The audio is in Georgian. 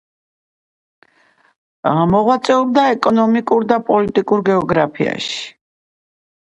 მოღვაწეობდა ეკონომიკურ და პოლიტიკურ გეოგრაფიაში.